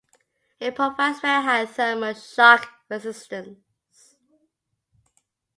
It provides very high thermal shock resistance.